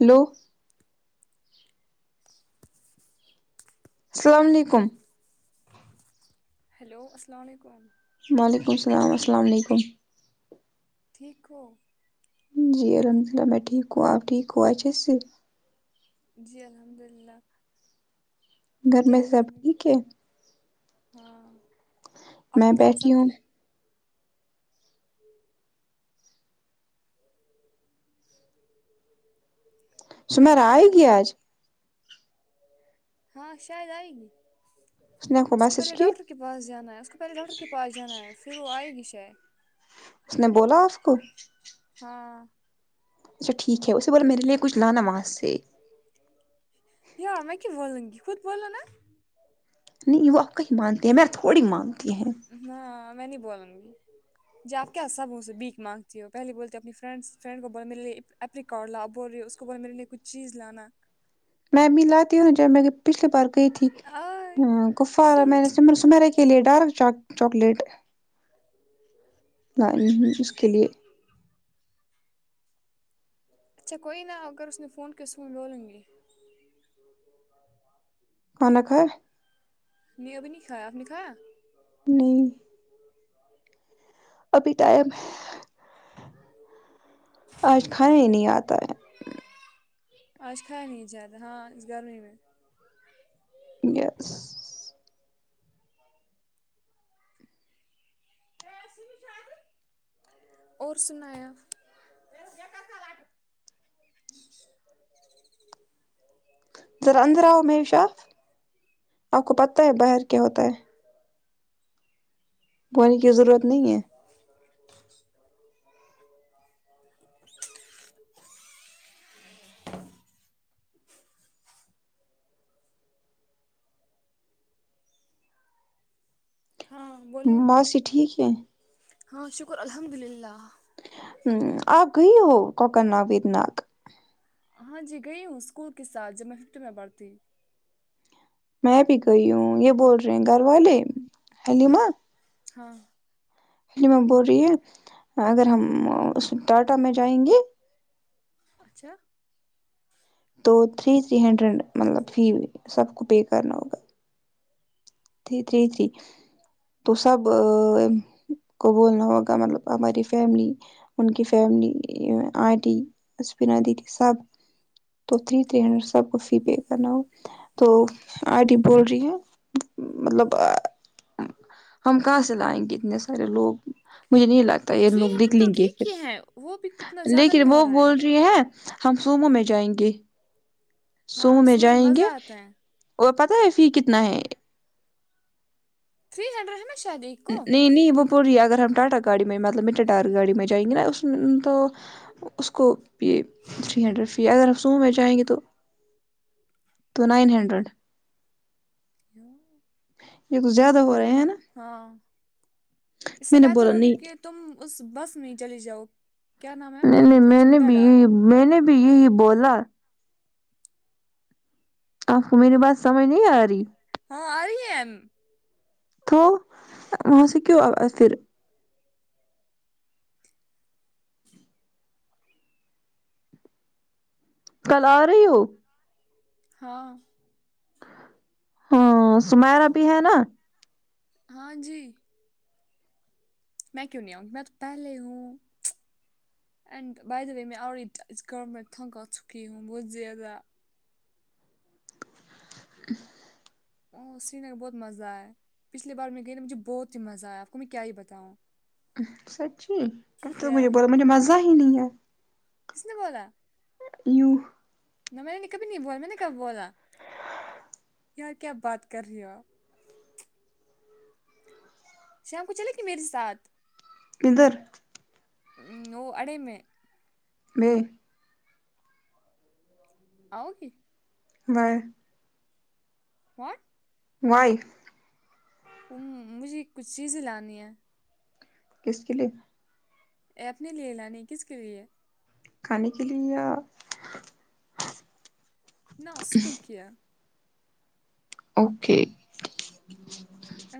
hello السلام علیکم hello السلام علیکم وعلیکم السلام السلام علیکم ٹھیک ہو جی الحمد اللہ میں ٹھیک ہوں آپ ٹھیک ہو اچھے سے جی الحمداللہ گھر میں کیا سب کررے ٹھیک ہے ہاں آپ کے گھر میں سب بیٹھی ہوں ٹھیک کھانا سمیرا آئے کھایا گی آج ہاں شاید آئے گی اس نے کوئی کو میسج پہلے کی ڈاکٹر کے پاس جانا ہے اس کو پہلے ڈاکٹر کے پاس جانا ہے پھر وہ آئے گی شاید اس نے بولا اس کو ہاں اچھا ٹھیک ہے اسے بولو میرے لیے کچھ لانا وہاں سے یہاں میں کیوں بولوں گی خود بولو نہ نہیں وہ آپ کا ہی مانتی ہے میرا تھوڑی مانتی ہے نہ میں نہیں بولوں گی جاکے آپ سب سے بھیک مانگتی ہو پہلی بولتے اپنی فرینڈ سے فرینڈ کو بول میرے لیے اپپلیکاڑ لاو اب بول رہی ہو اس کو بولو میرے لیے کچھ چیز لانا میں مل آتی ہوں جب میں پچھلی بار گئی تھی آ امم کفارا میں نے سمر سمیرا کے لیے ڈارک چاکلیٹ نہ ام اس کے لیے اچھا کوئی نا اگر اس نے فون کیا اسکو میں بولوں گی کھانا کھاۓ نہیں ابھی نہیں کھایا آپ نے کھایا نہیں ابھی ٹائم آج کھایا ہی نہیں اتا ہے آج کھایا نہیں جارا ہاں اس گرمی میں یسس اور سنائیں آپ [unintelligible] ذرا اندر آؤ میرشاہ آپ کو پتہ ہے باہر کیا ہوتا ہے بولنےکی ضرورت نہیں ہے ہاں بولیے موسی ٹھیک ہے ہاں شکر الحمدللہ امم آپ گئی ہو کوکرنا ویتناگ ہاں جی گئی ہوں اسکول کے ساتھ جب میں ففتھ میں پڑھتی میں بھی گئی ہوں یہ بول رہے ہیں گھر والے حلیمہ ہاں حلیمہ بول رہی ہے اگر ہم اس ٹاٹا میں جائیں گے اچھا تو تھری تھری ہنڈریڈ مطلب فی سب کو پے کرنا ہوگا تھری تھری تھری تو سب کو بولنا ہوگا کا مطلب ہماری فیملی ان کی فیملی آنٹی اسفینا دیدی سب تو تھری تھری ٹھیک ہنڈریڈ سب کو فی پے کرنا ہو تو آنٹی بول رہی ہے مطلب ہم کہاں سے لائیں گے اتنے سارے لوگ مجھے نہیں لگتا تو یہ تھری لوگ ہنڈریڈ تو نکلیں گے ٹھیک پھر ہی ہے وہ بھی اتنا زیادہ نہیں لیکن ہو وہ رہا ہے بول رہی ہیں ہم صومو میں جائیں گے سومو ہاں میں سوئیں جائیں مزہ گے آتا ہے اور پتہ ہے فی کتنا ہے تھری ہنڈریڈ ہے نہ شاید ہی نہیں نہیں وہ بول رہی ہے اگر ہم ٹاٹا گاڑی میں مطلب میٹڈار گاڑی میں جائیں گے نا اس میں تو اس کو بھی تری ہنڈرینڈ فی اگر ہم سومو میں جائیں گے تو تونائن ہنڈریڈ کیا یہ کچھ زیادہ ہو رہے ہے نا ہاں اس سے میں نے بہتر بولا ہوگیا نہیں کہ تم اس بس میں ہی چلی جاؤ کیا نام ہے نہیں نہیں میں کچھ نے بھی مٹاڈا یہی میں نے بھی یہی بولا آپ کو میری بات سمجھ نہیں آ رہی ہاں آری ہے تو وہاں سے کیوں پھر کل آ رہی ہو ہاں ہاں سمیرا بھی ہے نا ہاں جی میں کیوں نہیں آؤنگی میں تو پہلے ہوں اینڈ بائی دا وے میں آلریڈی اس گھر میں تنگ آ چکی ہوں بہت زیادہ اس میں بہت مزہ ہے پچھلی بار میں گئی مجھے بہت ہی مزہ آیا آپ کو میں کیا ہی بتاؤں سچی تو مجھے یار بول مجھے مزہ ہی نہیں ہے کس نے بولا یو نہ میں نے کبھی نہیں بولا میں نے کب بولا یار کیا بات کر رہی ہو آپ شام کو چلے گی میرے ساتھ کدھر نو اڑے میں میں آؤ گی میں ہاں وائی مجھے کچھ چیزیں لانی ہیں کس کے لیے آپ نے لیے لانی کس کے لیے کھانے کے لیے یا نو سکین کیا اوکے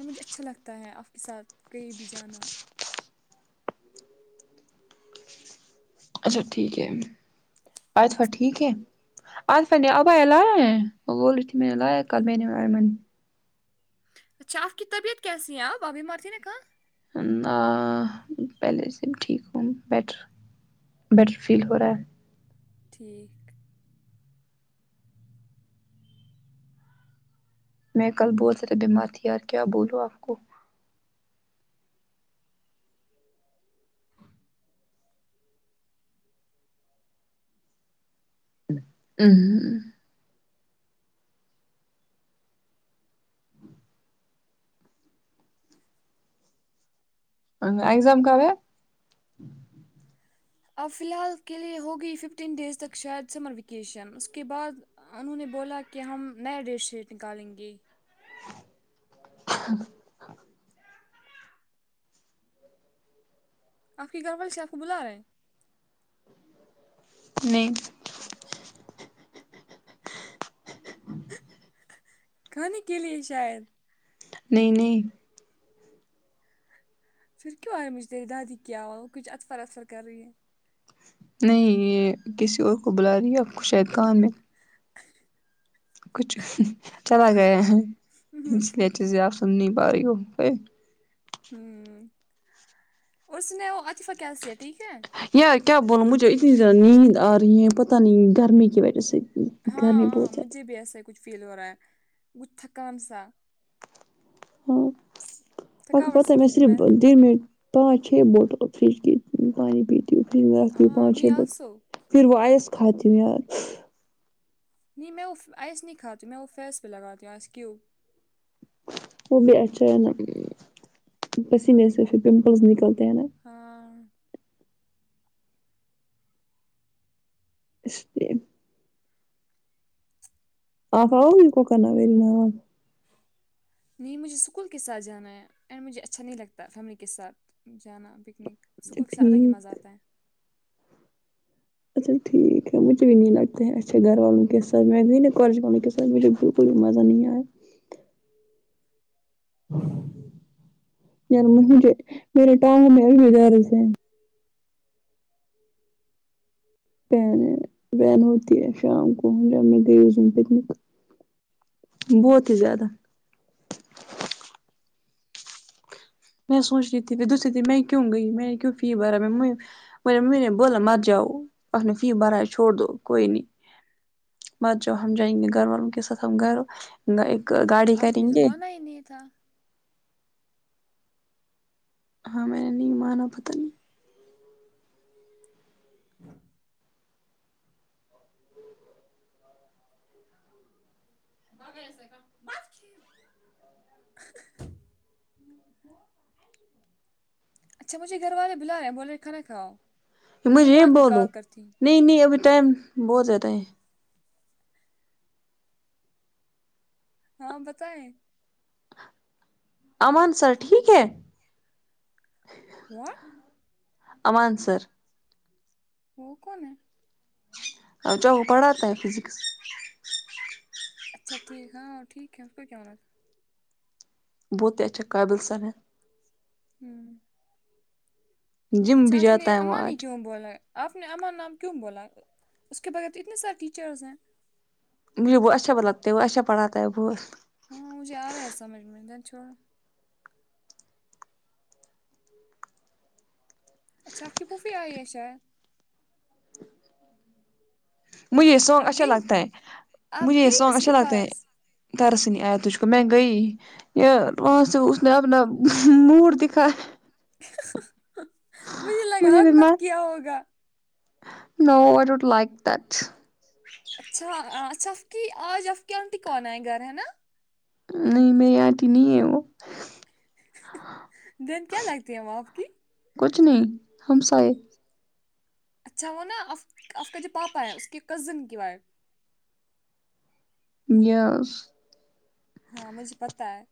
مجھے اچھا لگتا ہے آپ کے ساتھ کہیں بھی جانا اچھا ٹھیک ہے اچھا ٹھیک ہے اسیا نے ابایا لایا ہیں وہ بول رہی تھی میں نے لایا کل میں نے اور ایمن نے اچھا آپ کی طبیعت کیسی ہے آپ ابھی مارتی نے کہاں اللہ پہلے سے بھی ٹھیک ہوں بیٹر بیٹر فیل ہو رہا ہے ٹھیک میں کل بہت سے بیمار تھی یار کیا بولو آپ کو اوں [unintelligible] ایگزام کب ہے اب فی الحال کے لیے ہوگئی ففٹین ڈیز تک شاید سمر ویکیشن اس کے بعد انہوں نے بولا کہ ہم نیا ڈیش نکالیں گے آپ کی گھر والی سے آپ کو بلا رہے ہیں نہیں کھانے کے لیے شاید نہیں نہیں پھر کیوں آئے مجھ تیری دادی کیا ہوا وہ کچھ اطفر اسفر کر رہی ہے نہیں یہ کسی اور کو بلا رہی ہےآپ کو شاید کام ہے کچھ چلا گیا ہے اس لیے چیزیں آپ سن نہیں پا رہی ہو کو ہوں اور سناؤ عاطفہ کیسے ٹھیک ہے یار کیا بولوں مجھے اتنی زیادہ نیند آ رہی ہے پتہ نہیں گرمی کی وجہ سے ہاں گرمی ہاں بہت زیادہ مجھے بھی ایسا ہی کچھ فیل ہو رہا ہے وہ تھکان سا ہاں تھکاوٹ پ میں سی صرف ڈ مٹ [unintelligible] پانچ چھ بوتل فریج کی پانی پیتی ہوں فریج میں رکھتی ہوں ہاں پانچ چھ می بوتل آلسو پھر وہ آئس کھاتی ہوں یار نہیں میں ا وہ آس نہیں کھاتی ہوں میں فیس پہ لگاتی ہوں آس کیوب وہ بھی اچھا ہے نا پسینے سے پھر پمپلس نکلتے ہیں نا ہاں اس لیے آپ آؤ گی بھی کو کرنا ویری نہ [unintelligible] نہیں مجھے اسکول کے ساتھ جانا ہے اینڈ مجھے اچھا نہیں لگتا فیملی کے ساتھ جانا پکنک اچھا اسکول کے سھ الگ ہی ٹھیک مزہ آتا ہے اچا ٹھیک ہےمجھے بھی نہیں لگتا ہے اچھا گھر والوں کے ساتھ میں نی میں کولج والوں کے ساتھ [unintelligible] مزہ نہیں آیا [unintelligible] وین ہے وین ہوتی ہے شام کو جب میں گئی اس دن پکنک بہت ہی زیادہ میں سوچ رہی تھی میں دوسرے دن میں کیوں گئی میں نے کیوں فی بھرا میں میرے ممی نے بولا مت جاؤ اپ نے فی بھرا چھوڑ دو کوئی نہیں مت جاؤ ہم جائیں گے گھر والوں کے ساتھ ہم گھر ایک گاڑی آپ کریں نے تو گے مانا ہی نہیں تھا ہاں میں نے نہیں مانا پتہ نہیں [inaudible] ہاں [unintelligible] اچھا مجھے گھر والے بلاے بولے کھانا کھا مجھے یہ بولو نہیں نہیں ابھی ٹائم بہت زیادہ ہے ہاں بتائیں امان سر ٹھیک ہے ہواں امان سر وہ کون ہے اچھا وہ پڑھاتا ہے فزکس اچھا ٹھیک ہاں ٹھیک ہے پھر کیا ہونا تھا بہت ہی اچھا قابل سر ہے ھمم جم اچھا بھی اس نے جاتا ہے وہ امان ہی آج کیوں بولا ہے آپ نے امن نام کیوں بولا اس کے بعد اتنے سارے ٹیچرز ہیں مجھے وہ اچھا لگتے ہے وہ اچھا پڑھاتے ہے بہت ہاں مجھے آ رہا ہے سمجھ میں جانے دو چھوڑ اچھا آپ کی پھوفی آئی ہے شاید مجھے یہ سانگ آپ اچھا گئی لگتا ہے آپ مجھے یہ گئی سانگ اس کے اچھا لگتا ہے پاس ترس نہیں آیا تجھ کو میں گا ئ وہاں سے اس نے اپنا موڈ دکھا مجھے لگا بھی میں حکمت کیا ہوگا no I don't like that اچھا اچھا آپ کی آج آپ کی آنٹی کون آ ئی گھر ہے نا نہیں میری انٹی نہیں ہے وہ دن کیا لگتی ہے وہ آپ کی کچھ نہیں ہمسائے اچھا وہ نا آپ کا جو پاپا ہے اس کے کزن کی وائف یس ہاں مجھے پتا ہے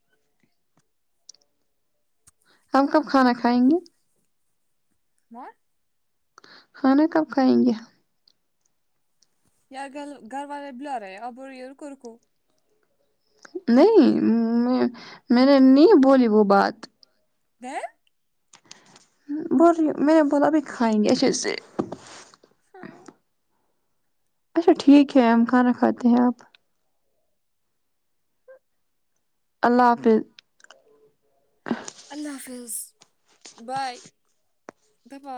ہم کب کھانا کھائیں گے واٹ کھانا کب کھائیں گے یار کل گھر والے بلا رہے ہیں اب بول رہی ہے رکو رکو نہیں میں نے نہیں بولی وہ بات [unintelligible] بعد میں بولا ابھی کھائیں گے اچھےسے ہاو اچا ٹھیک ہے ہم کھانا کھاتے ہیں اب اللہ حافظ اللہ حافظ بائے گڈ با